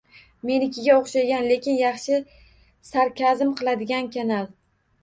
Menikiga o'xshagan lekin yaxshi sarkazm qiladigan kanal!